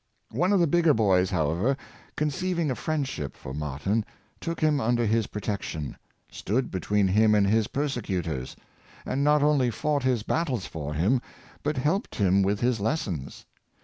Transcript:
One of the bigger boys, however, conceiving a friendship for Martyn, took him under his protection, stood between him and his persecutors, and not only fought his battles for him, but helped him with his les sons.